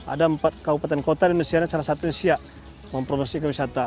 ada empat kabupaten kota di indonesia ini salah satu di siak mempromosi kewisata